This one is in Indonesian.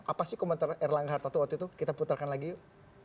apa sih komentar erlangga hartatu waktu itu kita putarkan lagi yuk